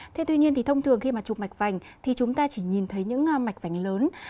thế tuy nhiên thì thông thường khi mà chụp mạch vành thì chúng ta chỉ nhìn thấy những mạch vành lớn